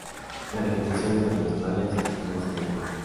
La vegetación es de matorrales y encinas en la llanura.